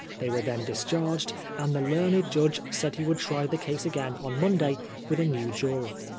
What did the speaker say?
They were then discharged, and the learned judge said he would try the case again on Monday with a new jury.